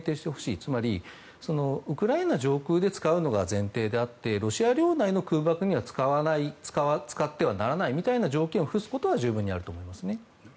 つまり、ウクライナ上空で使うのが前提であってロシア領内の空爆には使ってはならないみたいな条件をふすことは十分にあると思います。